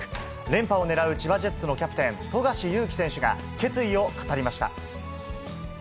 連覇をねらう千葉ジェッツのキャプテン、富樫勇樹選手が決意を語りました。